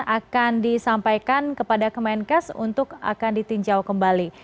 akan disampaikan kepada kemenkes untuk akan ditinjau kembali